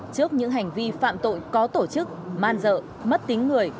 trước những hành vi phạm tội có tổ chức man dợ mất tính người